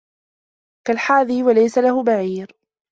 كالحادي وليس له بعير